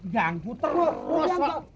jangan puter terus